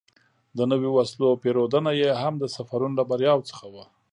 د نویو وسلو پېرودنه یې هم د سفرونو له بریاوو څخه وه.